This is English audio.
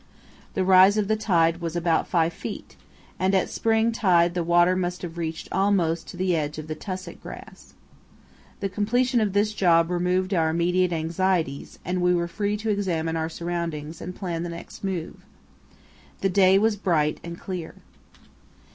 The rise of the tide was about five feet, and at spring tide the water must have reached almost to the edge of the tussock grass. The completion of this job removed our immediate anxieties, and we were free to examine our surroundings and plan the next move. The day was bright and clear.